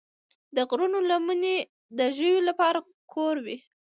د غرونو لمنې د ژویو لپاره کور وي.